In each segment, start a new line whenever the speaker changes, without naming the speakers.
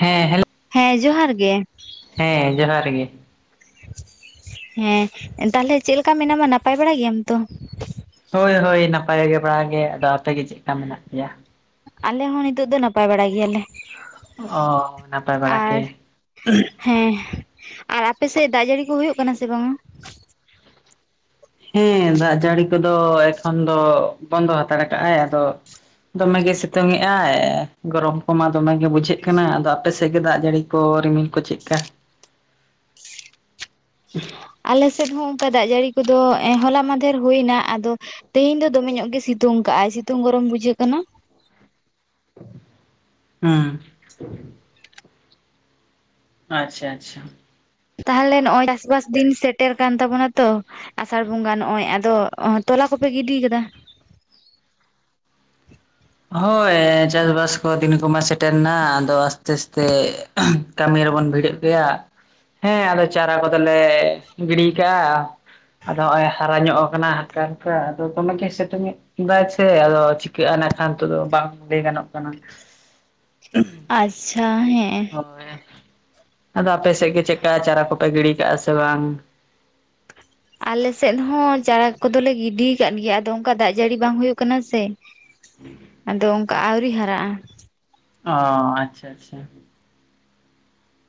ᱦᱮᱸ ᱦᱮᱞᱳ,
ᱦᱮᱸ ᱡᱚᱦᱟᱨ ᱜᱮ,
ᱦᱮᱸ ᱡᱚᱦᱟᱨ ᱜᱮ ᱾
ᱦᱮᱸ ᱛᱟᱦᱚᱞᱮ ᱪᱮᱫ ᱞᱮᱠᱟ ᱢᱮᱱᱟᱢᱟ ᱱᱟᱯᱟᱭ ᱵᱟᱲᱟ ᱜᱮᱭᱟᱢ ᱛᱚ?
ᱦᱳᱭ ᱦᱳᱭ ᱱᱟᱯᱟᱭ ᱵᱟᱲᱟᱜᱮ ᱾ ᱟᱫᱚ ᱟᱯᱮ ᱜᱮ ᱪᱮᱫ ᱠᱟ ᱢᱮᱱᱟᱜ ᱯᱮᱭᱟ?
ᱟᱞᱮ ᱦᱚᱸ ᱱᱤᱛᱳᱜ ᱫᱚ ᱱᱟᱯᱟᱭ ᱵᱟᱲᱟ ᱜᱮᱭᱟᱞᱮ ᱾
ᱚ ᱱᱟᱯᱟᱭ
ᱟᱨ
ᱵᱟᱲᱟᱜᱮ ᱾
ᱦᱮᱸ ᱟᱨ ᱟᱯᱮ ᱥᱮᱫ ᱫᱟᱜ ᱡᱟᱹᱲᱤ ᱠᱚ ᱦᱩᱭᱩᱜ ᱠᱟᱱᱟ ᱥᱮ ᱵᱟᱝᱟ?
ᱦᱮᱸ ᱫᱟᱜ ᱡᱟᱹᱲᱤ ᱠᱚᱫᱚ ᱮᱠᱷᱚᱱ ᱫᱚ ᱵᱚᱱᱫᱚ ᱦᱟᱛᱟᱲ ᱠᱟᱜ ᱟᱭ ᱟᱫᱚ ᱫᱚᱢᱮ ᱜᱮ ᱥᱤᱛᱩᱝ ᱮ ᱟᱭ ᱜᱚᱨᱚᱢ ᱠᱚᱢᱟ ᱫᱚᱢᱮ ᱜᱮ ᱵᱩᱡᱷᱟᱹᱜ ᱠᱟᱱᱟ, ᱟᱫᱚ ᱟᱯᱮ ᱥᱮᱫ ᱜᱮ ᱫᱟᱜ ᱡᱟᱹᱲᱤ ᱠᱚ ᱨᱤᱢᱤᱞ ᱠᱚ ᱪᱮᱫ ᱞᱮᱠᱟ?
ᱟᱞᱮ ᱥᱮᱫ ᱦᱚᱸ ᱚᱱᱠᱟ ᱫᱟᱜ ᱡᱟᱹᱲᱤ ᱠᱚᱫᱚ ᱮᱸ ᱦᱚᱞᱟ ᱢᱟᱫᱫᱷᱮᱨ ᱦᱩᱭ ᱮᱱᱟ ᱟᱫᱚ ᱛᱮᱦᱮᱧ ᱫᱚ ᱫᱚᱢᱮ ᱧᱚᱜ ᱜᱮ ᱥᱤᱛᱩᱝ ᱠᱟᱜᱼᱟᱭ ᱥᱤᱛᱩᱝ ᱜᱚᱨᱚᱢ ᱵᱩᱡᱷᱟᱹᱜ ᱠᱟᱱᱟ ᱾
ᱦᱩᱸ ᱾ ᱟᱪᱪᱷᱟ, ᱟᱪᱪᱷᱟ ᱾
ᱛᱟᱦᱚᱞᱮ ᱱᱚᱜᱼᱚᱭ ᱪᱟᱥ ᱵᱟᱥ ᱫᱤᱱ ᱥᱮᱴᱮᱨ ᱠᱟᱱ ᱛᱟᱵᱚᱱᱟ ᱛᱚ ᱟᱥᱟᱲ ᱵᱚᱸᱜᱟ ᱱᱚᱜᱼᱚᱭ ᱟᱫᱚ [unintelligible] ᱛᱚᱞᱟ ᱠᱚᱯᱮ ᱜᱤᱰᱤ ᱠᱟᱫᱟ?
ᱦᱳᱭ ᱪᱟᱥᱵᱟᱥ ᱠᱚ ᱫᱤᱱ ᱠᱚᱢᱟ ᱥᱮᱴᱮᱨᱱᱟ ᱾ ᱟᱫᱚ ᱟᱥᱛᱮ ᱟᱥᱛᱮ ᱠᱟᱹᱢᱤ ᱨᱮᱵᱚᱱ ᱵᱷᱤᱲᱟᱹᱜ ᱜᱮᱭᱟ ᱾ ᱦᱮᱸ ᱟᱫᱚ ᱪᱟᱨᱟ ᱠᱚᱫᱚᱞᱮ ᱜᱤᱲᱤ ᱠᱟᱜᱼᱟ ᱾ ᱟᱫᱚ ᱱᱚᱜᱼᱚᱭ ᱦᱟᱨᱟ ᱧᱚᱜ ᱠᱟᱱᱟ ᱦᱟᱞᱠᱟ ᱦᱟᱞᱠᱟ ᱟᱫᱚ ᱫᱚᱢᱮ ᱜᱮᱭ ᱥᱤᱛᱩᱝ ᱮᱫ ᱫᱟᱭ ᱥᱮ ᱟᱫᱚ ᱪᱤᱠᱟᱹᱜᱼᱟ ᱱᱟᱜᱼᱠᱷᱟᱱ ᱱᱤᱛᱚᱜ ᱫᱚ ᱵᱟᱝ ᱞᱟᱹᱭ ᱜᱟᱱᱚᱜ ᱠᱟᱱᱟ
ᱟᱪᱪᱷᱟ
᱾
ᱦᱮᱸ
[unintelligible] ᱟᱫᱚ ᱟᱯᱮ ᱥᱮᱫ ᱜᱮ ᱪᱮᱫᱠᱟ ᱪᱟᱨᱟ ᱠᱚᱯᱮ ᱜᱤᱲᱤ ᱠᱟᱜᱼᱟ, ᱥᱮ ᱵᱟᱝ?
ᱟᱞᱮ ᱥᱮᱫ ᱦᱚᱸ ᱪᱟᱨᱟ ᱠᱚᱫᱚᱞᱮ ᱜᱤᱰᱤ ᱠᱟᱫ ᱜᱮᱭᱟ ᱾ ᱟᱫᱚ ᱚᱱᱠᱟ ᱫᱟᱜ ᱡᱟᱹᱲᱤ ᱵᱟᱝ ᱦᱩᱭᱩᱜ ᱠᱟᱱᱟ ᱥᱮ, ᱟᱫᱚ ᱚᱱᱠᱟ ᱟᱣᱨᱤ ᱦᱟᱨᱟᱜᱼᱟ ᱾
ᱚ ᱟᱪᱪᱷᱟ, ᱟᱪᱪᱷᱟ ᱾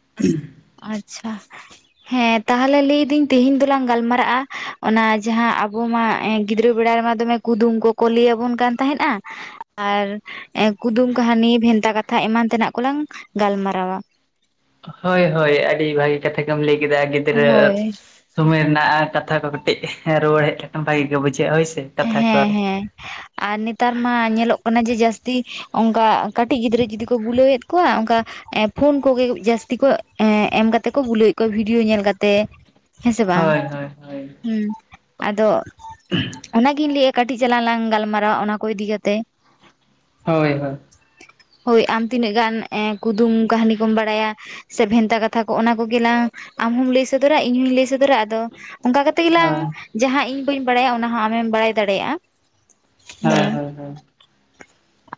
[unintelligible]
ᱟᱪᱪᱷᱟ ᱾ ᱦᱮᱸ ᱛᱟᱦᱚᱞᱮ ᱞᱟᱹᱭ ᱫᱟᱹᱧ ᱛᱮᱦᱮᱧ ᱫᱚᱞᱟᱝ ᱜᱟᱞᱢᱟᱨᱟᱜᱼᱟ, ᱚᱱᱟ ᱡᱟᱦᱟᱸ ᱟᱵᱚ ᱢᱟ ᱜᱤᱫᱽᱨᱟᱹ ᱵᱮᱲᱟ ᱨᱮᱢᱟ ᱫᱚᱢᱮ ᱠᱩᱫᱩᱢ ᱠᱚᱠᱚ ᱞᱟᱹᱭ ᱟᱵᱚᱱ ᱠᱟᱱ ᱛᱟᱦᱮᱸᱫ ᱟ ᱾ ᱟᱨ ᱠᱩᱫᱩᱢ ᱠᱟᱹᱦᱱᱤ ᱵᱷᱮᱱᱛᱟ ᱠᱟᱛᱷᱟ ᱮᱢᱟᱱ ᱛᱮᱱᱟᱜ ᱠᱚᱞᱟᱝ ᱜᱟᱞᱢᱟᱨᱟᱣᱟ ᱾
ᱦᱳᱭ ᱦᱳᱭ ᱟᱹᱰᱤ ᱵᱷᱟᱹᱜᱤ ᱠᱟᱛᱷᱟ ᱜᱮᱢ ᱞᱟᱹᱭ ᱠᱮᱫᱟ ᱜᱤᱫᱽᱨᱟᱹ
ᱦᱳᱭ
ᱥᱚᱢᱚᱭ ᱨᱮᱱᱟᱜ ᱠᱟᱛᱷᱟ ᱠᱚ ᱠᱟᱹᱴᱤᱡ ᱨᱩᱣᱟᱹᱲ ᱦᱮᱡ ᱞᱮᱠᱷᱟᱱ ᱵᱷᱟᱜᱤ ᱜᱮ ᱵᱩᱡᱷᱟᱹᱜᱼᱟ ᱦᱳᱭ ᱥᱮ ᱠᱟᱛᱷᱟ ᱠᱚ
ᱦᱮᱸ
ᱟᱨ
ᱦᱮᱸ ᱟᱨ ᱱᱮᱛᱟᱨ ᱢᱟ ᱧᱮᱞᱚᱜ ᱠᱟᱱᱟ ᱡᱮ ᱡᱟᱹᱥᱛᱤ ᱚᱱᱠᱟ ᱠᱟᱹᱴᱤᱡ ᱜᱤᱫᱽᱨᱟᱹ ᱡᱩᱫᱤ ᱠᱚ ᱵᱩᱞᱟᱹᱣ ᱮᱫ ᱠᱚᱣᱟ ᱚᱱᱠᱟ ᱯᱷᱳᱱ ᱠᱚᱜᱮ ᱡᱟᱹᱥᱛᱤ ᱠᱚ ᱮᱢ ᱠᱟᱛᱮᱜ ᱠᱚ ᱵᱩᱞᱟᱹᱣᱮᱫ ᱠᱚᱣᱟ ᱵᱷᱤᱰᱭᱳ ᱧᱮᱞ ᱠᱟᱛᱮ ᱦᱮᱸᱥᱮ ᱵᱟᱝ, ᱦᱩᱸ ᱟᱫᱚ
[unintelligible]
ᱚᱱᱟᱜᱤᱧ ᱞᱟᱹᱭᱮᱜ-ᱟ ᱠᱟᱹᱴᱤᱡ ᱪᱟᱞᱟᱝ ᱞᱟᱝ ᱜᱟᱞᱢᱟᱨᱟᱣᱟ ᱚᱱᱟ ᱠᱚ ᱤᱫᱤ ᱠᱟᱛᱮ
ᱦᱳᱭ ᱦᱳᱭ ᱾
ᱦᱳᱭ ᱟᱢ ᱛᱤᱱᱟᱹᱜ ᱜᱟᱱ ᱠᱩᱫᱩᱢ ᱠᱟᱹᱦᱱᱤ ᱠᱚᱢ ᱵᱟᱲᱟᱭᱟ ᱥᱮ ᱵᱷᱮᱱᱛᱟ ᱠᱟᱛᱷᱟ ᱠᱚ ᱚᱱᱟ ᱠᱚᱜᱮ ᱞᱟᱝ ᱟᱢ ᱦᱚᱢ ᱞᱟᱹᱭ ᱥᱚ ᱫᱚᱨᱟ ᱤᱧ ᱦᱚᱸᱧ ᱞᱟᱹᱭ ᱥᱚᱫᱚᱨᱟ ᱟᱫᱚ ᱚᱱᱠᱟ ᱠᱟᱛᱮ ᱜᱮᱞᱟᱝ ᱡᱟᱦᱟᱸ ᱤᱧ ᱵᱟᱹᱧ ᱵᱟᱲᱟᱭᱟ ᱚᱱᱟ ᱟᱢᱮᱢ ᱵᱟᱲᱟᱭ ᱫᱟᱲᱮᱭᱟᱜᱼᱟ ᱾
ᱦᱮᱸ ᱦᱚᱭ ᱦᱚᱭ ᱾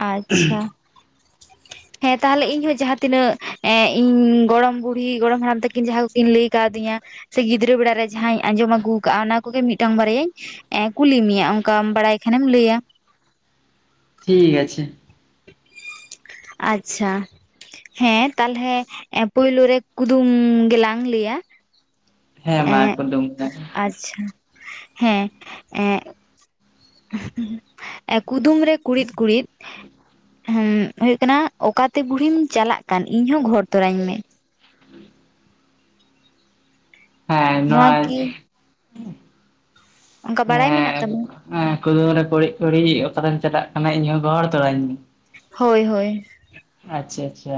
ᱟᱪᱪᱷᱟ ᱦᱮᱸ ᱛᱟᱦᱚᱞᱮ ᱤᱧ ᱦᱚᱸ ᱡᱟᱦᱟᱸ ᱛᱤᱱᱟᱹᱜ ᱤᱧ ᱜᱚᱲᱚᱢ ᱵᱩᱲᱦᱤ ᱜᱚᱲᱚᱢ ᱦᱟᱲᱟᱢ ᱛᱟᱠᱤᱱ ᱡᱟᱦᱟᱸ ᱠᱚᱠᱤᱱ ᱞᱟᱹᱭ ᱠᱟᱣᱫᱤᱧᱟ ᱥᱮ ᱜᱤᱫᱽᱨᱟᱹ ᱵᱮᱲᱟ ᱨᱮ ᱡᱟᱦᱟᱸᱧ ᱟᱸᱡᱚᱢ ᱟᱹᱜᱩ ᱠᱟᱜ ᱟ ᱚᱱᱟ ᱠᱚᱜᱮ ᱢᱤᱫᱴᱟᱝ ᱵᱟᱨᱭᱟᱧ ᱠᱩᱞᱤ ᱢᱮᱭᱟ ᱚᱱᱠᱟᱢ ᱵᱟᱲᱟᱭ ᱠᱷᱟᱱᱮᱢ ᱞᱟᱹᱭᱟ
ᱴᱷᱤᱠ ᱟᱪᱷᱮ
ᱟᱪᱪᱷᱟ ᱦᱮᱸ ᱛᱟᱞᱦᱮ ᱯᱩᱭᱞᱩ ᱨᱮ ᱠᱩᱫᱩᱢ ᱜᱮᱞᱟᱝ ᱞᱟᱹᱭᱟ
ᱦᱮᱸ ᱢᱟ ᱠᱩᱫᱩᱢ ᱠᱟ
ᱪᱷᱟ ᱦᱮᱸ ᱮᱸᱜ ᱠᱩᱫᱩᱢ ᱨᱮ ᱠᱩᱲᱤᱫ ᱠᱩᱲᱤᱫ
[inaudible]
ᱦᱮᱸ ᱦᱳᱭᱳᱜ ᱠᱟᱱᱟ ᱚᱠᱟᱛᱮ ᱵᱩᱲᱦᱤᱢ ᱪᱟᱞᱟᱜ ᱠᱟᱱ ᱤᱧ ᱦᱚᱸ ᱜᱷᱚᱦᱚᱨ ᱛᱚᱨᱟᱧ ᱢᱮ
[inaudible] ᱦᱮᱸ ᱱᱚᱣᱟ
ᱚᱱᱠᱟ
ᱮ
ᱵᱟᱲᱟᱭ ᱢᱮᱱᱟᱜ
ᱸᱫ
ᱛᱟᱢᱟ
ᱠᱩᱫᱩᱢᱨᱮ ᱠᱚᱲᱤᱜ ᱠᱩᱲᱤ ᱚᱠᱟᱛᱮᱢ ᱪᱟᱞᱟᱜ ᱠᱟᱱᱟ ᱤᱧᱦᱚᱸ ᱜᱚᱲ ᱛᱚᱨᱟᱧ ᱢᱮ
ᱦᱳᱭ ᱦᱳᱭ
ᱟᱪᱪᱷᱟ ᱟᱪᱪᱷᱟ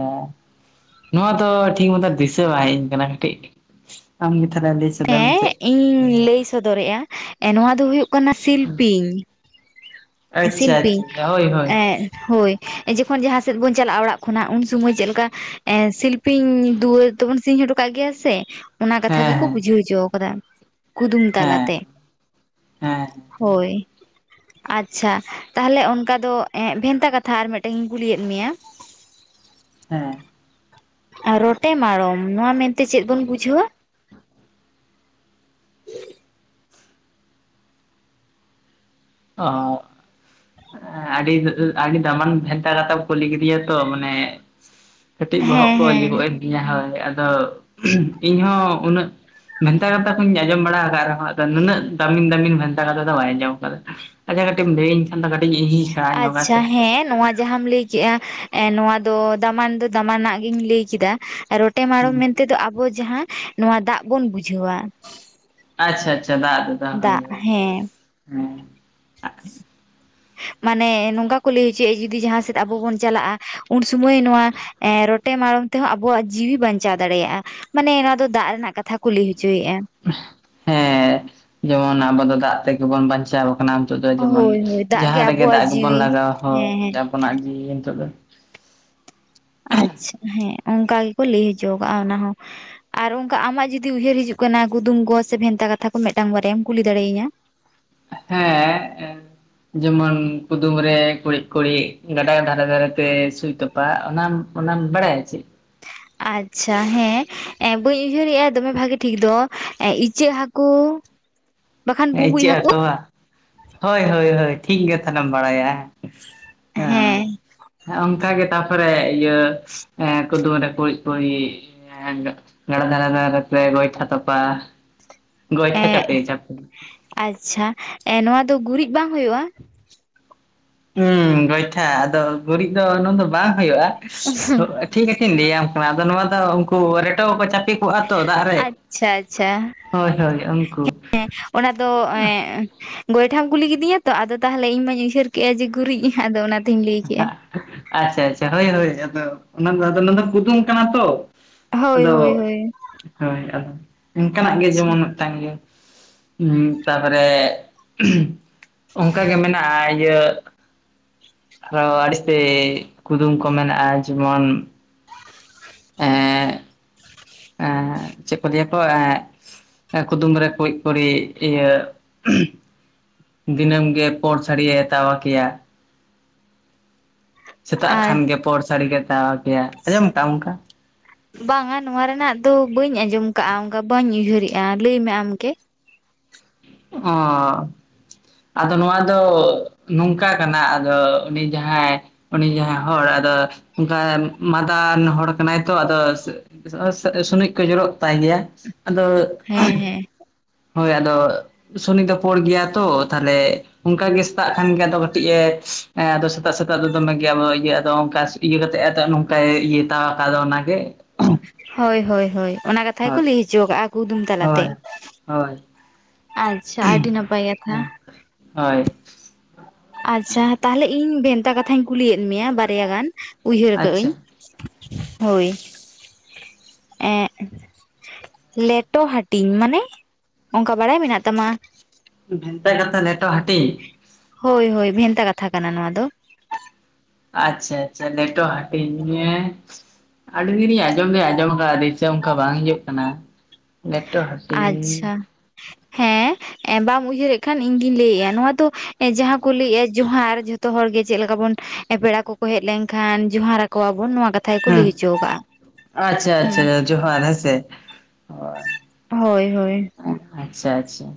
ᱱᱚᱣᱟ ᱫᱚ ᱴᱷᱤᱠ ᱢᱚᱛᱚ ᱫᱤᱥᱟᱹ ᱵᱟᱝ ᱦᱮᱡ ᱟᱹᱧ ᱠᱟᱱᱟ ᱠᱟᱹᱴᱤᱡ ᱟᱢ ᱜᱮ ᱛᱟᱦᱞᱮ ᱞᱟᱹᱭ ᱥᱚᱫᱚᱨ
ᱦᱮᱸ
ᱢᱮᱥᱮ
ᱤᱧ ᱞᱟᱹᱭ ᱥᱚᱫᱚᱨᱮᱜ-ᱟ ᱱᱚᱣᱟ ᱫᱚ ᱦᱩᱭᱩᱜ ᱠᱟᱱᱟ ᱥᱤᱞᱯᱤᱧ
ᱟᱪᱪᱷᱟ
ᱥᱤᱞᱯᱧᱮ
ᱟᱪᱪᱷᱟ ᱦᱳᱭ ᱦᱳᱭ
ᱮᱸᱫ ᱦᱚᱭ ᱡᱚᱠᱷᱚᱱ ᱡᱟᱦᱟᱸ ᱥᱮᱫ ᱵᱚᱱ ᱪᱟᱞᱟᱜᱼᱟ ᱚᱲᱟᱜ ᱠᱷᱚᱱᱟᱜ ᱩᱱ ᱥᱚᱢᱚᱭ ᱪᱮᱫᱞᱮᱠᱟ ᱮ ᱥᱤᱞᱯᱤᱧ ᱫᱩᱣᱟᱹᱨ ᱛᱚᱵᱚᱱ ᱥᱤᱧ ᱦᱚᱴᱚ ᱠᱟᱜ ᱜᱮᱭᱟ ᱥᱮ ᱚᱱᱟ
ᱦᱮᱸ
ᱠᱟᱛᱷᱟ ᱜᱮᱠᱚ
ᱦᱮᱸ
ᱵᱩᱡᱷᱟᱹᱣ ᱦᱚᱪᱚ ᱠᱟᱫᱟ ᱠᱩᱫᱩᱢ ᱛᱟᱞᱟ
ᱦᱮᱸ
ᱛᱮ
ᱦᱮᱸ
ᱦᱳᱭ ᱪᱷᱟ ᱛᱟᱦᱞᱮ ᱚᱱᱠᱟ ᱫᱚ ᱵᱷᱮᱱᱛᱟ ᱠᱟᱛᱷᱟ ᱟᱨ ᱢᱮᱜᱴᱮᱝ ᱤᱧ ᱠᱩᱞᱤᱭᱮᱫ ᱢᱮᱭᱟ
ᱦᱮᱸ
ᱟᱨ ᱨᱚᱴᱮ ᱢᱟᱲᱚᱢ ᱱᱚᱣᱟ ᱢᱮᱱᱛᱮ ᱪᱮᱫ ᱵᱚᱱ ᱵᱩᱡᱷᱟᱹᱣᱟ
[unintelligible] ᱟᱹᱰᱤ [unintelligible] ᱟᱹᱰᱤ ᱫᱟᱢᱟᱱ ᱵᱷᱮᱱᱛᱟ ᱠᱟᱛᱷᱟᱢ ᱠᱩᱞᱤ ᱠᱤᱫᱤᱧᱟ ᱛᱚ ᱢᱟᱱᱮ ᱠᱟᱹᱴᱤᱡ ᱵᱚᱦᱚᱜ
ᱦᱮᱸ
ᱠᱚ
ᱦᱮᱸ
ᱤᱭᱟᱹᱜᱚᱜ ᱮᱱ ᱛᱤᱧᱟᱹ ᱦᱳᱭ ᱟᱫᱚ ᱤᱧᱦᱚᱸ ᱩᱱᱟᱹᱜ ᱵᱷᱮᱱᱛᱟ ᱠᱟᱛᱷᱟ ᱠᱚᱧ ᱟᱸᱡᱚᱢ ᱵᱟᱲᱟ ᱟᱠᱟᱫ ᱨᱮᱦᱚᱸ ᱟᱫᱚ ᱱᱩᱱᱟᱹᱜ ᱫᱟᱢᱤᱱ ᱫᱟᱢᱤᱱ ᱵᱷᱮᱱᱛᱟ ᱠᱟᱛᱷᱟ ᱫᱚ ᱵᱟᱭ ᱟᱸᱡᱚᱢ ᱟᱠᱟᱫᱟ ᱟᱪᱟ ᱠᱟᱹᱴᱤᱡ ᱮᱢ ᱞᱟᱹᱭᱟᱧ [unintelligible]
ᱟᱪᱪᱷᱟ ᱦᱮᱸ ᱱᱚᱣᱟ ᱡᱟᱦᱟᱸᱢ ᱞᱟᱹᱭ ᱠᱮᱜ - ᱟ ᱱᱚᱣᱟ ᱫᱚ ᱫᱟᱢᱟᱱ ᱫᱚ ᱫᱟᱢᱟᱱᱟᱜ ᱜᱤᱧ ᱞᱟᱹᱭ ᱠᱮᱫᱟ ᱴᱮ ᱢᱟᱲᱚᱢ
ᱦᱩᱸ
ᱢᱮᱱᱛᱮᱫᱚ ᱟᱵᱚ ᱡᱟᱦᱟᱸ ᱱᱚᱣᱟ ᱫᱟᱜ ᱵᱚᱱ ᱵᱩᱡᱷᱟᱹᱣᱟ
ᱟᱪᱪᱷᱟ ᱟᱪᱪᱷᱟ ᱫᱟᱜ ᱫᱟᱫᱟ ᱦᱳᱭ
ᱫᱟᱜ
ᱦᱳᱭ
ᱦᱮᱸ
ᱦᱮᱸ
ᱢᱟᱱᱮ ᱱᱚᱝᱠᱟ ᱠᱚ ᱞᱟᱹᱭ ᱦᱚᱪᱚᱭᱮᱜ ᱡᱩᱫᱤ ᱡᱟᱦᱟᱸ ᱥᱮᱫ ᱟᱵᱚ ᱵᱚᱱ ᱪᱟᱞᱟᱜ-ᱟ ᱩᱱ ᱥᱩᱢᱚᱭ ᱱᱚᱣᱟ ᱮ ᱨᱚᱴ ᱴᱮ ᱢᱟᱲᱚᱢ ᱛᱮᱦᱚᱸ ᱟᱵᱚᱣᱟᱜ ᱡᱤᱣᱤ ᱵᱟᱧᱪᱟᱣ ᱫᱟᱲᱮᱭᱟᱜᱼᱟ ᱢᱟᱱᱮ ᱱᱚᱣᱟ ᱫᱚ ᱫᱟᱜ ᱨᱮᱱᱟᱜ ᱠᱟᱛᱷᱟ ᱠᱚ ᱞᱟᱹᱭ ᱦᱚᱪᱚᱭᱮᱜ-ᱟ
ᱦᱮᱸ ᱡᱮᱢᱚᱱ ᱟᱵᱚ ᱫᱚ ᱫᱟᱜ ᱛᱮᱜᱮ ᱵᱚᱱ ᱵᱟᱧᱪᱟᱣ ᱠᱟᱱᱟ ᱱᱤᱛᱚᱜ ᱫᱚ ᱡᱮᱢᱚᱱ
ᱦᱳᱭ ᱦᱳᱭ ᱫᱟᱜ ᱜᱮ
ᱡᱟᱦᱟᱸ ᱨᱮᱜᱮ
ᱟᱵᱚᱣᱟᱜ
ᱫᱟᱜ ᱜᱮᱵᱚᱱ
ᱡᱤᱣᱤ
ᱞᱟᱜᱟᱣ ᱦᱚᱲ
ᱦᱮᱸ ᱦᱮᱸ
ᱟᱵᱚᱱᱟᱜ ᱡᱤᱣᱤ ᱱᱤᱛᱚᱜ ᱫᱚ
ᱟᱪᱪᱷᱟ ᱦᱮᱸ ᱚᱱᱠᱟ ᱜᱮᱠᱚ ᱞᱟᱹᱭ ᱦᱚᱪᱚ ᱠᱟᱜᱼᱟ ᱚᱱᱟ ᱦᱚᱸ ᱟᱨ ᱚᱱᱠᱟ ᱟᱢᱟᱜ ᱡᱩᱫᱤ ᱩᱭᱦᱟᱹᱨ ᱦᱤᱡᱩᱜ ᱠᱟᱱᱟ ᱠᱩᱫᱩᱢ ᱠᱚ ᱥᱮ ᱵᱷᱮᱱᱛᱟ ᱠᱟᱛᱷᱟ ᱠᱚ ᱢᱮᱫᱴᱟᱝ ᱵᱟᱨᱭᱟᱢ ᱠᱩᱞᱤ ᱫᱟᱲᱮᱭᱟᱹᱧᱟ
ᱦᱮᱸ ᱡᱮᱢᱚᱱ ᱠᱩᱫᱩᱢ ᱨᱮ ᱠᱩᱲᱤᱫ ᱠᱩᱲᱤᱫ ᱜᱟᱰᱟ ᱫᱷᱟᱨᱮ ᱫᱷᱟᱨᱮ ᱛᱮ ᱥᱩᱭ ᱛᱚᱯᱟ ᱵᱟ ᱚᱱᱟᱢ ᱚᱱᱟᱢ ᱵᱟᱲᱟᱭᱟ ᱪᱮ
ᱟᱪᱪᱷᱟ ᱦᱮᱸ ᱮ ᱵᱟᱹᱧ ᱩᱭᱦᱟᱹᱨᱮᱜ-ᱟ ᱫᱚᱢᱮ ᱵᱷᱟᱹᱜᱮ ᱴᱷᱤᱠ ᱫᱚ ᱤᱪᱟᱹᱜ ᱦᱟᱹᱠᱩ ᱵᱟᱠᱷᱟᱱ
ᱮ
ᱵᱩᱸᱵᱩᱡ
ᱤᱪᱟᱹᱜ ᱦᱟᱹᱠᱩ ᱵᱟ ᱦᱳᱭ ᱦᱳᱭ ᱴᱷᱤᱠ ᱜᱮ ᱛᱟᱦᱞᱮᱢ ᱵᱟᱲᱟᱭᱟ
ᱦᱮᱸ
ᱦᱮᱸ ᱚᱱᱠᱟ ᱜᱮ ᱛᱟᱨᱯᱚᱨᱮ ᱤᱭᱟᱹ ᱠᱩᱫᱩᱢ ᱨᱮ ᱠᱩᱲᱤᱫ ᱠᱩᱲᱤᱫ ᱮ ᱜᱟᱰᱟ ᱫᱷᱟᱨᱮ ᱫᱷᱟᱨᱮ ᱛᱮ ᱜᱚᱭᱴᱷᱟ ᱛᱚᱯᱟ ᱜᱚᱭᱴᱷᱟ
ᱮᱸ
ᱪᱟᱯᱮ ᱡᱟᱦᱟ
ᱟᱪᱪᱷᱟ ᱱᱚᱣᱟ ᱫᱚ ᱜᱩᱨᱤᱡ ᱵᱟᱝ ᱦᱩᱭᱩᱜᱼᱟ
ᱩᱸ ᱜᱚᱭᱴᱷᱟ ᱟᱫᱚ ᱜᱩᱨᱤᱡ ᱫᱚ ᱚᱱᱟ ᱫᱚ ᱵᱟᱝ ᱦᱩᱭᱩᱜᱼᱟ ᱴᱷᱤᱠ ᱟᱪᱷᱮᱧ ᱞᱟᱹᱭᱟ ᱟᱫᱚ ᱱᱚᱣᱟ ᱫᱚ ᱩᱱᱠᱩ ᱨᱮᱴᱚ ᱠᱚ ᱪᱟᱯᱮ ᱠᱚᱜᱼᱟ ᱛᱚ ᱫᱟᱜ ᱨᱮ
ᱟᱪᱪᱷᱟ ᱟᱪᱪᱷᱟ
ᱦᱳᱭ ᱦᱳᱭ ᱩᱱᱠᱩ
ᱦᱮᱸ ᱚᱱᱟ ᱫᱚ ᱜᱚᱭᱴᱷᱟᱟᱢ ᱠᱩᱞᱤ ᱠᱤᱫᱤᱧᱟ ᱛᱚ ᱟᱫᱚ ᱛᱟᱦᱚᱞᱮ ᱤᱧ ᱢᱟᱧ ᱩᱭᱦᱟᱹᱨ ᱠᱮᱫ-ᱟ ᱡᱮ ᱜᱩᱨᱤᱡ ᱟᱫᱚ ᱚᱱᱟᱛᱤᱧ ᱞᱟᱹᱭ ᱠᱮᱫ-ᱟ
ᱟᱪᱪᱷᱟ ᱟᱪᱪᱷᱟ ᱦᱳᱭ ᱦᱳᱭ ᱟᱫᱚ ᱱᱚᱣᱟ ᱫᱚ ᱠᱩᱫᱩᱢ ᱠᱟᱱᱟ ᱛᱚ
ᱦᱳᱭ
ᱟᱫᱚ
ᱦᱳᱭ ᱦᱳᱭ
ᱦᱳᱭ ᱚᱱᱠᱟᱱᱟᱜ ᱜᱮ
ᱟᱪᱪᱷᱟ
ᱡᱮᱢᱚᱱ ᱢᱤᱫᱴᱟᱝ ᱜᱮ ᱩ ᱛᱟᱯᱚᱨᱮ ᱚᱱᱠᱟᱜᱮ ᱢᱮᱱᱟᱜᱼᱟ ᱤᱭᱟᱹ ᱟᱨᱚ ᱟ. ᱰᱤᱩᱥᱛᱟ. ᱭ ᱠᱩᱫᱩᱢ ᱠᱚ ᱢᱮᱱᱟᱜᱼᱟ ᱡᱮᱢᱚᱱ
[inaudible]
ᱮᱜ ᱪᱮᱫ ᱠᱚ ᱞᱟᱹᱭ-ᱟ ᱛᱚ ᱮᱜ ᱠᱩᱫᱩᱢ ᱨᱮ ᱠᱩᱲᱤᱜᱠᱩᱲᱤᱜ ᱤᱭᱟᱹ ᱫᱤᱱᱟᱹᱢ ᱜᱮ ᱯᱳᱲ ᱥᱟᱹᱲᱤᱭᱮ ᱛᱟᱣᱟ ᱜᱮᱭᱟ ᱥᱮᱛᱟᱜ
ᱟᱨ
ᱠᱷᱟᱱ ᱜᱮ ᱯᱳᱲ ᱥᱟᱹᱲᱤ ᱠᱚ ᱛᱟᱣᱟ ᱜᱮᱭᱟ ᱟᱸᱡᱚᱢ ᱠᱟᱫᱟᱢ ᱚᱱᱠᱟ
ᱵᱟᱝᱟ ᱱᱚᱣᱟ ᱨᱮᱱᱟᱜ ᱫᱚ ᱵᱟᱹᱧ ᱟᱸᱡᱚᱢ ᱠᱟᱜᱼᱟ ᱚᱱᱠᱟ ᱵᱟᱹᱧ ᱩᱭᱦᱟᱹᱨᱮᱜᱼᱟ ᱞᱟᱹᱭ ᱢᱮ ᱟᱢᱜᱮ
ᱚᱻ ᱟᱫᱚ ᱱᱚᱣᱟ ᱫᱚ ᱱᱚᱝᱠᱟ ᱠᱟᱱᱟ ᱟᱫᱚ ᱩᱱᱤ ᱡᱟᱦᱟᱸᱭ ᱩᱱᱤ ᱡᱟᱦᱟᱸᱭ ᱦᱚᱲ ᱟᱫᱚ ᱢᱟᱸᱫᱟ ᱟᱱ ᱦᱚᱲ ᱠᱟᱱᱟᱭ ᱛᱚ ᱟᱫᱚ ᱥᱟ. ᱜ ᱥᱩᱱᱩᱡ ᱠᱚ ᱡᱚᱨᱚᱜ ᱛᱟᱭ ᱜᱮᱭᱟ ᱟᱫᱚ
ᱦᱮᱸ ᱦᱮᱸ
ᱦᱳᱭ ᱟᱫᱚ ᱥᱩᱱᱤᱡ ᱫᱚ ᱯᱳᱲ ᱜᱮᱭᱟ ᱛᱚ ᱛᱟᱦᱞᱮ ᱚᱱᱠᱟᱜ ᱜᱮ ᱥᱮᱛᱟᱜ ᱠᱷᱟᱱ ᱜᱮ‌ ᱟᱫᱚ ᱠᱟᱹᱴᱤᱡ ᱮ ᱟᱫᱚ ᱥᱮᱛᱟᱜ ᱥᱮᱛᱟᱜ ᱫᱚ ᱫᱚᱢᱮ ᱜᱮ ᱤᱭᱟᱹ ᱟᱫᱚ ᱚᱱᱠᱟ ᱤᱭᱟᱹ ᱠᱟᱛᱮᱜ ᱟᱛᱮ ᱱᱚᱝᱠᱟᱭ ᱤᱭᱟᱹ ᱛᱟᱣᱟᱠ ᱟ ᱟᱫᱚ ᱚᱱᱟ ᱜᱮ
ᱦᱳᱭ ᱦᱳᱭ ᱦᱳᱭ ᱚᱱᱟ ᱠᱟᱛᱷᱟ ᱜᱮᱠᱚ
ᱦᱳᱭ
ᱞᱟᱹᱭ ᱦᱚᱪᱚ ᱠᱟᱜᱼᱟ ᱠᱩᱫᱩᱢ ᱛᱟᱞᱟᱛᱮ
ᱦᱳᱭ
ᱟᱨ
ᱩᱦ ᱦᱳᱭ
ᱟᱪᱪᱷᱟ ᱛᱟᱦᱚᱞᱮ ᱤᱧ ᱵᱷᱮᱱᱛᱟ ᱠᱟᱛᱷᱟᱧ ᱠᱩᱞᱤᱭᱮᱫ ᱢᱮᱭᱟ ᱵᱟᱨᱭᱟ ᱜᱟᱱ ᱩᱭᱦᱟᱹᱨ ᱠᱟᱜ
ᱟᱪᱪᱷᱟ
ᱟᱹᱧ ᱦᱳᱭ ᱮᱸᱜ ᱞᱮᱴᱚ ᱦᱟᱹᱴᱤᱧ ᱢᱟᱱᱮ ᱚᱱᱠᱟ ᱵᱟᱲᱟᱭ ᱢᱮᱱᱟᱜ ᱛᱟᱢᱟ
ᱵᱷᱮᱱᱛᱟᱟ ᱠᱟᱛᱷᱟ ᱞᱮᱴᱚ ᱦᱟᱹᱴᱤᱧ
ᱦᱳᱭ ᱦᱳᱭ ᱵᱷᱮᱱᱛᱟ ᱠᱟᱛᱷᱟ ᱠᱟᱱᱟ ᱱᱚᱣᱟ ᱫᱚ
ᱟᱪᱪᱷᱟ ᱟᱪᱪᱷᱟ ᱞᱮᱴᱚ ᱦᱟᱸᱴᱤᱧ ᱟᱹᱞᱤᱧ ᱫᱚᱞᱤᱧ ᱟᱸᱡᱚᱢ ᱫᱚ ᱟᱸᱡᱚᱢ ᱠᱟᱜ ᱟ ᱫᱤᱥᱟᱹ ᱚᱱᱠᱟ ᱵᱟᱝ ᱦᱤᱡᱩᱜ ᱠᱟᱱᱟ ᱱᱮᱴᱣᱟᱨᱠ ᱦᱟᱹᱴᱤᱧ
ᱟᱪᱪᱷᱟ ᱦᱮᱸ ᱮ ᱵᱟᱢ ᱩᱭᱦᱟᱹᱨᱮᱜ ᱠᱷᱟᱱ ᱤᱧ ᱜᱤᱧ ᱞᱟᱹᱭᱮᱫᱼᱟ ᱱᱚᱣᱟ ᱫᱚ ᱡᱟᱦᱟᱸ ᱠᱚ ᱞᱟᱹᱭᱮᱫᱼᱟ ᱡᱚᱦᱟᱨ ᱡᱷᱚ ᱡᱚᱛᱚ ᱦᱚᱲ ᱜᱮ ᱪᱮᱫ ᱞᱮᱠᱟ ᱵᱚᱱ ᱯᱮᱲᱟ ᱠᱚᱠᱚ ᱦᱮᱡ ᱞᱮᱱᱠᱷᱟᱱ ᱡᱚᱦᱟᱨ ᱟᱠᱚᱣᱟᱵᱚᱱ ᱱᱚᱣᱟ ᱠᱟᱛ
ᱦᱩᱸ ᱟᱪᱪᱷᱟ ᱟᱪᱪᱷᱟ
ᱦᱮᱸ
ᱡᱚᱦᱟᱨ ᱦᱮ ᱥᱮ
ᱦᱳᱭ ᱦᱳᱭ
ᱟᱪᱪᱷᱟ ᱟᱪᱪᱷᱟ ᱩᱦ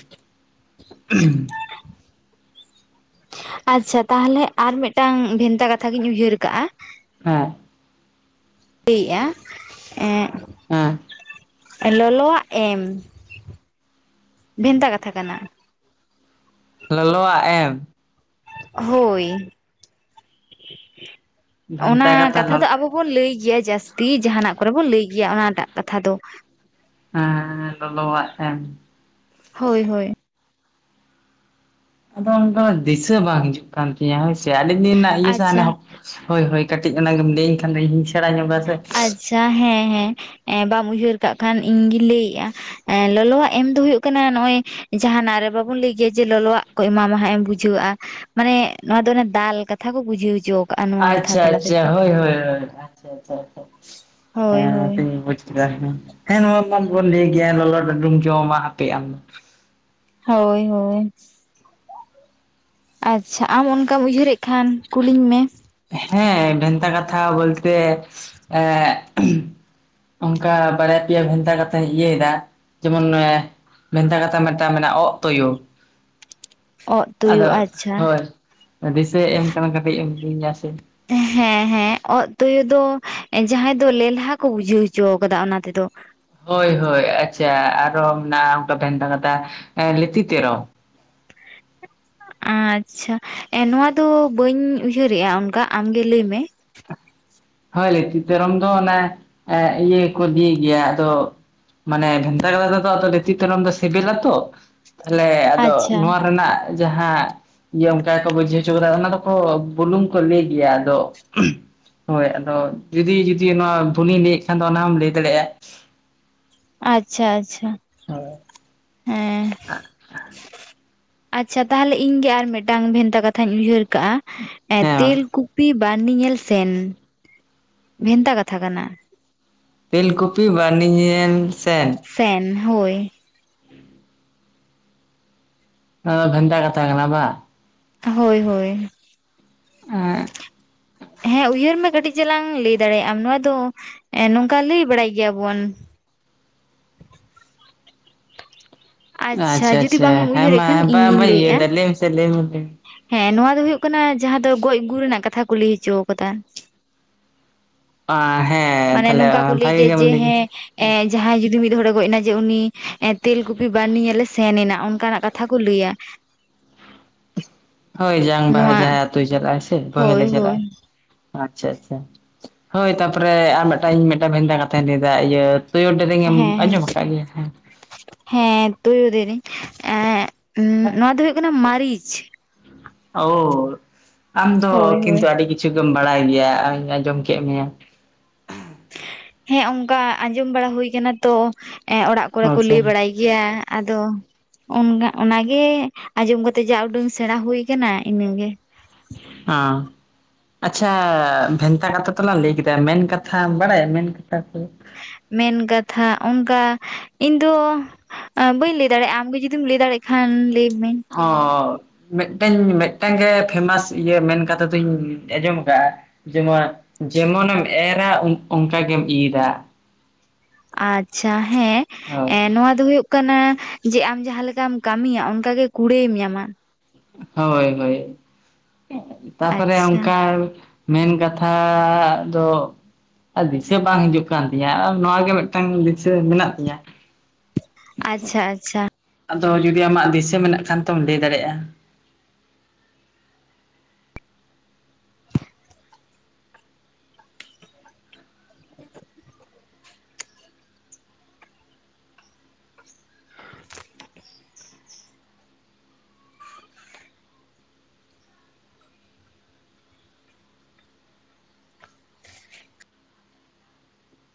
ᱟᱪᱪᱷᱟ ᱛᱟᱦᱚᱞᱮ ᱟᱨ ᱢᱤᱫᱴᱟᱝ ᱵᱷᱮᱱᱛᱟ ᱠᱟᱛᱷᱟᱟᱜᱤᱧ ᱩᱭᱦᱟᱹᱨ ᱠᱟᱜᱼᱟ
ᱦᱚᱸ
ᱞᱟᱹᱭᱮᱜᱼᱟ ᱮᱜ
ᱦᱮᱸ
ᱞᱚᱞᱚᱣᱟᱜ ᱮᱢ ᱵᱷᱮᱱᱛᱟ ᱠᱟᱛᱷᱟ ᱠᱟᱱᱟ
ᱞᱚᱞᱚᱣᱟᱜ ᱮᱢ
ᱦᱳᱭ ᱚᱱᱟ
ᱵᱷᱮᱱᱛᱟ
ᱠᱟᱛᱷᱟ
ᱞᱚ
ᱫᱚ ᱟᱵᱚ ᱵᱚᱱ ᱞᱟᱹᱭ ᱜᱮᱭᱟ ᱡᱟᱹᱥᱛᱤ ᱡᱟᱦᱟᱱᱟᱜ ᱠᱚᱨᱮ ᱵᱚᱱ ᱞᱟᱹᱭ ᱜᱮᱭᱟ ᱚᱱᱟᱴᱟᱜ ᱠᱟᱛᱷᱟ ᱫᱚ
ᱦᱮᱸ ᱞᱚᱞᱚᱣᱟᱜ ᱮᱢ
ᱦᱳᱭ ᱦᱳᱭ
ᱟᱫᱚ ᱚᱱᱟ ᱫᱚ ᱫᱤᱥᱟᱹ ᱵᱟᱝ ᱦᱤᱡᱩᱜ ᱠᱟᱱ ᱛᱤᱧᱟᱹ ᱦᱳᱭ ᱥᱮ ᱟᱹᱰᱤ ᱫᱤᱱ ᱨᱮᱱᱟᱜ
ᱟᱪᱪᱷᱟ
ᱤᱭᱟᱹ ᱦᱳᱭ ᱦᱳᱭ ᱠᱟᱹᱴᱤᱡ ᱚᱱᱟ ᱜᱮᱢ ᱞᱟᱹᱭᱟᱹᱧ ᱠᱷᱟᱱ ᱫᱚ ᱤᱧ ᱦᱚ ᱥᱮᱬᱟ ᱧᱚᱜᱟ ᱥᱮ
ᱟᱪᱪᱷᱟ ᱦᱮᱸ ᱦᱮᱸ ᱵᱟᱢ ᱩᱭᱦᱟᱹᱨ ᱠᱟᱜ ᱠᱷᱟᱱ ᱤᱧᱜᱤᱧ ᱞᱟᱹᱭᱮᱜᱼᱟ ᱮ ᱞᱚᱞᱚᱣᱟᱜ ᱮᱢ ᱫᱚ ᱦᱩᱭᱩᱜ ᱠᱟᱱᱟ ᱱᱚᱜᱼᱚᱭ ᱡᱟᱦᱟᱱᱟᱜ ᱨᱮ ᱵᱟᱵᱚᱱ ᱞᱟᱹᱭ ᱜᱮᱭᱟ ᱡᱮ ᱞᱚᱞᱚᱣᱟᱜ ᱠᱚ ᱮᱢᱟᱢᱟ ᱦᱟᱸᱜ ᱮᱢ ᱵᱩᱡᱷᱟᱹᱣᱼᱟ ᱢᱟᱱᱮ ᱱᱚᱣᱟ ᱫᱚ ᱚᱱᱮ ᱫᱟᱞ ᱠᱟᱛᱷᱟ ᱠᱚ ᱵᱩᱡᱷᱟᱹᱣ ᱦᱚᱪᱚ ᱠᱟᱜᱼᱟ ᱱᱚᱣᱟ ᱠᱟᱛᱷᱟ
ᱟᱪᱪᱷᱟ
ᱛᱟᱞᱟ
ᱟᱪᱪᱷᱟ
ᱛᱮᱫᱚ
ᱦᱳᱭ ᱦᱳᱭ ᱟᱪᱪᱷᱟ ᱟᱪᱪᱷᱟ
ᱦᱳᱭ ᱦᱳᱭ
ᱚᱱᱟᱧ [unintelligible] ᱦᱮᱸ ᱱᱚᱣᱟ ᱢᱟᱵᱚᱱ ᱞᱟᱹᱭ ᱜᱮᱭᱟ ᱞᱚᱞᱚ ᱰᱟᱰᱩᱢ ᱡᱚᱢᱟ ᱦᱟᱯᱮ ᱟᱢ ᱫᱚ
ᱦᱳᱭ ᱦᱳᱭ ᱟᱪᱪᱷᱟ ᱟᱢ ᱚᱱᱠᱟᱢ ᱩᱭᱦᱟᱹᱨᱮᱫ ᱠᱷᱟᱱ ᱠᱩᱞᱤᱧ ᱢᱮ᱾
ᱦᱮᱸ ᱵᱷᱮᱱᱛᱟ ᱠᱟᱛᱷᱟ ᱵᱚᱞᱛᱮ [unintelligible] ᱚᱱᱠᱟ ᱵᱟᱨᱭᱟ ᱯᱮᱭᱟ ᱵᱷᱮᱱᱛᱟ ᱠᱟᱛᱷᱟᱧ ᱤᱭᱟᱹᱭᱮᱫᱟ ᱡᱮᱢᱚᱱ [unintelligible] ᱵᱷᱮᱱᱛᱟ ᱠᱟᱛᱷᱟ ᱢᱤᱫᱴᱟᱝ ᱢᱮᱱᱟᱜ-ᱟ ᱚᱸᱜ ᱛᱩᱭᱩ᱾
ᱚᱸᱜ ᱛᱩᱭᱩ ᱟᱪᱪᱷᱟ
ᱫᱤᱥᱟᱹᱭ ᱮᱢ ᱠᱟᱱᱟ ᱠᱟᱹᱴᱤᱡ ᱮᱢ ᱤᱫᱤᱧᱟ ᱥᱮ
ᱦᱮᱸ ᱦᱮᱸ ᱚᱸᱜ ᱛᱩᱭᱩ ᱫᱚ ᱡᱟᱦᱟᱸ ᱛᱮᱫᱚ ᱞᱮᱞᱦᱟ ᱠᱚ ᱵᱩᱡᱷᱟᱹᱣ ᱦᱚᱪᱚ ᱟᱠᱟᱫᱟ ᱚᱱᱟ ᱛᱮᱫᱚ᱾
ᱦᱳᱭ ᱦᱳᱭ ᱟᱪᱪᱷᱟ ᱟᱨᱦᱚᱸ ᱢᱮᱱᱟᱜᱼᱟ, ᱚᱱᱠᱟ ᱵᱷᱮᱱᱛᱟ ᱠᱟᱛᱷᱟ 'ᱞᱤᱛᱤ ᱛᱮᱨᱚ'᱾
[inaudible] ᱟᱪᱪᱷᱟ, ᱮᱸ ᱱᱚᱣᱟ ᱫᱚ ᱵᱟᱹᱧ ᱩᱭᱦᱟᱹᱨᱮᱜᱼᱟ ᱚᱱᱠᱟ ᱟᱢᱜᱮ ᱞᱟᱹᱭ ᱢᱮ᱾
ᱦᱳᱭ ᱞᱤᱛᱤ ᱛᱮᱨᱚᱢ ᱫᱚ ᱚᱱᱟ ᱤᱭᱟᱹ ᱠᱚ ᱤᱫᱤᱭ ᱜᱮᱭᱟ᱾ ᱟᱫᱚ ᱢᱟᱱᱮ ᱵᱷᱮᱱᱛᱟ ᱠᱟᱛᱷᱟ ᱛᱮᱫᱚ ᱞᱤᱛᱤ ᱛᱮᱨᱚᱢ ᱫᱚ ᱥᱤᱵᱤᱞᱟ ᱛᱚ, ᱛᱟᱦᱞᱮ ᱟᱫᱚ
ᱟᱪᱪᱷᱟ
ᱱᱚᱣᱟ ᱨᱮᱱᱟᱜ ᱡᱟᱦᱟᱸ ᱤᱭᱟᱹ ᱚᱱᱠᱟ ᱜᱮᱠᱚ ᱵᱩᱡᱷᱟᱹᱣ ᱦᱚᱪᱚ ᱠᱟᱫᱟ, ᱚᱱᱟ ᱫᱚᱠᱚ ᱵᱩᱞᱩᱝ ᱠᱚ ᱞᱟᱹᱭ ᱜᱮᱭᱟ᱾ ᱟᱫᱚ ᱦᱳᱭ ᱟᱫᱚ ᱡᱩᱫᱤ ᱡᱩᱫᱤ ᱱᱚᱣᱟ ᱵᱷᱩᱞᱤᱧ ᱞᱟᱹᱭᱮᱫ ᱠᱷᱟᱱ ᱫᱚ, ᱚᱱᱟ ᱦᱚᱢ ᱞᱟᱹᱭ ᱫᱟᱲᱮᱭᱟᱜᱼᱟ᱾
ᱟᱪᱪᱷᱟ ᱟᱪᱪᱷᱟ ᱦᱮᱸ
[unintelligible]
ᱟᱪᱪᱷᱟ ᱛᱟᱦᱚᱞᱮ ᱤᱧ ᱜᱮ ᱟᱨ ᱢᱤᱫᱴᱟᱝ ᱵᱷᱮᱱᱛᱟ ᱠᱟᱛᱷᱟᱧ ᱩᱭᱦᱟᱹᱨ ᱠᱟᱜᱼᱟ᱾ ᱮ
ᱦᱮᱸ ᱢᱟ
ᱛᱮᱞ [inaudible] ᱯᱤ ᱵᱟᱨᱱᱤ ᱧᱮᱞ ᱥᱮᱱ ᱵᱷᱮᱱᱛᱟ ᱠᱟᱛᱷᱟ ᱠᱟᱱᱟ᱾
ᱛᱮᱞ ᱠᱩᱯᱤ ᱵᱟᱨᱱᱤ ᱧᱮᱱ ᱥᱮᱱ
ᱥᱮᱱ ᱦᱳᱭ
ᱚ ᱵᱷᱮᱱᱛᱟ ᱠᱟᱛᱷᱟ ᱠᱟᱱᱟ ᱵᱟ᱾
ᱦᱳᱭ ᱦᱳᱭ
[unintelligible]
ᱦᱮᱸ ᱩᱭᱦᱟᱹᱨ ᱢᱮ ᱠᱟᱹᱴᱤᱡ ᱪᱟᱞᱟᱝ ᱞᱟᱹᱭ ᱫᱟᱲᱮᱭᱟᱜ ᱟᱢ᱾ ᱱᱚᱣᱟ ᱫᱚ ᱮ ᱱᱚᱝᱠᱟ ᱞᱟᱹᱭ ᱵᱟᱲᱟᱭ ᱜᱮᱭᱟᱵᱚᱱ᱾
ᱟᱪᱪᱷᱟ
ᱡᱩᱫᱤ
ᱟᱪᱪᱷᱟ
ᱵᱟᱝ ᱮᱢ ᱩᱭᱦᱟᱹᱨᱮᱫ
ᱦᱮᱸᱢᱟ
ᱠᱷᱟᱱ ᱤᱧᱜᱤᱧ
ᱵᱟᱢᱵᱟᱹᱧ ᱩᱭᱦᱟᱹᱨ
ᱞᱟᱹᱭᱮᱫᱼᱟ
ᱮᱫᱟ, ᱞᱟᱹᱭ ᱢᱮᱥᱮ ᱞᱟᱹᱭ ᱢᱮᱥᱮ᱾
ᱦᱮᱸ ᱱᱚᱶᱟ ᱫᱚ ᱦᱩᱭᱩᱜ ᱠᱟᱱᱟ ᱡᱟᱦᱟᱸ ᱫᱚ ᱜᱚᱡ ᱜᱩᱨ ᱨᱮᱱᱟᱜ ᱠᱟᱛᱷᱟ, ᱠᱚ ᱞᱟᱹᱭ ᱦᱚᱪᱚ ᱟᱠᱟᱫᱟ᱾
ᱟ ᱦᱮᱸ
ᱢᱟᱱᱮ
ᱛᱟᱦᱞᱮ
ᱱᱚᱝᱠᱟ ᱠᱚ ᱞᱟᱹᱭ
ᱵᱷᱟᱜᱮ
ᱜᱮᱭᱟ᱾ ᱡᱮ
ᱜᱮᱢ ᱠᱮᱫᱟ
ᱦᱮᱸ ᱮ ᱡᱟᱦᱟᱸᱭ ᱡᱩᱫᱤ ᱢᱤᱫ ᱦᱚᱲᱮ ᱜᱚᱡ ᱮᱱᱟ᱾ ᱡᱮ ᱩᱱᱤ ᱛᱮᱞᱠᱩᱯᱤ ᱵᱟᱨᱱᱤ ᱧᱮᱞᱮ ᱥᱮᱱ ᱮᱱᱟ᱾ ᱚᱱᱠᱟᱱᱟᱜ ᱠᱟᱛᱷᱟ ᱠᱚ ᱞᱟᱹᱭᱟ᱾
ᱦᱳᱭ ᱡᱟᱝ ᱵᱟᱦᱟ
ᱱᱚᱣᱟ
ᱟᱛᱳ ᱪᱟᱞᱟᱜ ᱟᱭ ᱥᱮ ᱵᱚᱦᱮᱞ
ᱦᱳᱭ
ᱪᱟᱞᱟᱜᱼᱟ᱾
ᱦᱳᱭ
ᱟᱪᱪᱷᱟ ᱟᱪᱪᱷᱟ ᱦᱳᱭ ᱛᱟᱯᱚᱨᱮ ᱟᱨ ᱢᱤᱫᱴᱟᱝ ᱤᱧ ᱢᱤᱫᱴᱟᱝ ᱵᱷᱮᱱᱫᱟ ᱠᱟᱛᱷᱟᱧ ᱞᱟᱹᱭᱮᱫᱟ᱾ ᱤᱭᱟᱹ ᱛᱩᱭᱩ ᱫᱮᱨᱮᱧᱮᱢ
ᱦᱮᱸ ᱦᱮᱸ
ᱟᱸᱡᱚᱢ ᱟᱠᱟᱫ ᱜᱮᱭᱟ ᱦᱮᱸ?
ᱦᱮᱸ ᱛᱩᱭᱩ ᱫᱮᱨᱮᱧ ᱱᱚᱣᱟ ᱫᱚ ᱦᱩᱭᱩᱜ ᱠᱟᱱᱟ ᱢᱟᱹᱨᱤᱪ᱾
ᱳ ᱟᱢ ᱫᱚ
ᱦᱳᱭ
ᱠᱤᱱᱛᱩ
ᱦᱳᱭ
ᱟᱹᱰᱤ ᱠᱤᱪᱷᱩᱢ, ᱵᱟᱲᱟᱭ ᱜᱮᱭᱟ ᱟᱸᱡᱚᱢ ᱠᱮᱫ ᱢᱮᱭᱟ᱾
ᱦᱮᱸ ᱚᱱᱠᱟ ᱟᱸᱡᱚᱢ ᱵᱟᱲᱟ ᱦᱩᱭ ᱠᱟᱱᱟ ᱛᱚ ᱮ ᱚᱲᱟᱜ ᱠᱚᱨᱮ ᱠᱚ
ᱟᱪᱪᱷᱟ
ᱞᱟᱹᱭ ᱵᱟᱲᱟᱭ ᱜᱮᱭᱟ ᱟᱫᱚ ᱚᱱ ᱚᱱᱟᱜᱮ ᱟᱸᱡᱚᱢ ᱠᱟᱛᱮᱜ ᱡᱟ ᱩᱰᱟᱹᱝ ᱥᱮᱬᱟ ᱦᱩᱭᱩ ᱟᱠᱟᱱᱟ ᱤᱱᱟᱹᱜᱮ᱾
[unintelligible] ᱟᱪᱷᱟ ᱵᱷᱮᱱᱛᱟ ᱠᱟᱛᱷᱟ ᱛᱚᱞᱟᱝ ᱞᱟᱹᱭ ᱠᱮᱫᱟ ᱢᱮᱱ ᱠᱟᱛᱷᱟᱢ ᱵᱟᱲᱟᱭᱟ ᱢᱮᱱ ᱠᱟᱛᱷᱟ ᱠᱚ
ᱢᱮᱱ ᱠᱟᱛᱷᱟ ᱚᱱᱠᱟ ᱤᱧ ᱫᱚ ᱵᱟᱹᱧ ᱞᱟᱹᱭ ᱫᱟᱲᱮᱭᱟᱜᱼᱟ᱾ ᱟᱢᱜᱮ ᱡᱩᱫᱤᱢ ᱞᱟᱹᱭ ᱫᱟᱲᱮᱭᱟᱜ ᱠᱷᱟᱱ ᱞᱟᱹᱭ ᱢᱮ ᱾
ᱦᱚᱸᱻ ᱢᱤᱫᱴᱟᱝ ᱢᱤᱫᱴᱟᱝ ᱜᱮ ᱯᱷᱮᱢᱟᱥ ᱤᱭᱟᱹ ᱢᱮᱱ ᱠᱟᱛᱷᱟ ᱫᱩᱧ ᱟᱸᱡᱚᱢ ᱟᱠᱟᱫᱼᱟ᱾ ᱡᱮᱢᱚᱱ ᱡᱮᱢᱚᱱᱮᱢ ᱮᱨᱟ, ᱚᱱᱠᱟ ᱜᱮᱢ ᱤᱨᱟ᱾
ᱟᱪᱪᱷᱟ ᱦᱮᱸ
ᱦᱳᱭ
ᱮ ᱱᱚᱣᱟ ᱫᱚ ᱦᱩᱭᱩᱜ ᱠᱟᱱᱟ᱾ ᱠᱟᱱᱟ ᱡᱮ ᱟᱢ ᱡᱟᱦᱟᱸ ᱞᱮᱠᱟᱢ ᱠᱟᱹᱢᱤᱭᱟ, ᱚᱱᱠᱟ ᱜᱮ ᱠᱩᱲᱟᱹᱭᱮᱢ ᱧᱟᱢᱟ᱾
ᱦᱳᱭ ᱦᱳᱭ ᱛᱟᱯᱚᱨᱮ
ᱟᱪᱪᱷᱟ
ᱚᱱᱠᱟ ᱢᱮᱱ ᱠᱟᱛᱷᱟ ᱫᱚ ᱫᱤᱥᱟᱹ ᱵᱟᱝ ᱦᱤᱡᱩᱜ ᱠᱟᱱ ᱛᱤᱧᱟᱹ ᱱᱚᱣᱟ ᱜᱮ ᱢᱤᱫᱴᱟᱝ ᱫᱤᱥᱟᱹ ᱢᱮᱱᱟᱜ ᱛᱤᱧᱟᱹ
ᱟᱪᱷᱟ ᱟᱪᱷᱟ ᱾
ᱟᱫᱚ ᱡᱩᱫᱤ ᱟᱢᱟᱜ ᱫᱤᱥᱟᱹ ᱢᱮᱱᱟᱜ ᱠᱷᱟᱱ ᱛᱚᱢ ᱞᱟᱹᱭ ᱫᱟᱲᱮᱭᱟᱜᱼᱟ ᱾
[inaudible]